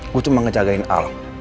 gue cuma ngejagain al